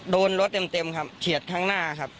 โดนรถเต็มครับเฉียดข้างหน้าครับ